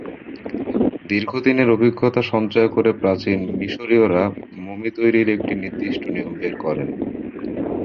দীর্ঘদিনের অভিজ্ঞতা সঞ্চয় করে প্রাচীন মিশরীয়রা মমি তৈরির একটি নির্দিষ্ট নিয়ম বের করেন।